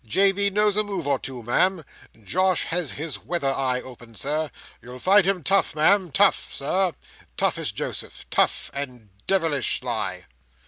J. B. knows a move or two, Ma'am. Josh has his weather eye open, Sir. You'll find him tough, Ma'am. Tough, Sir, tough is Joseph. Tough, and de vilish sly!"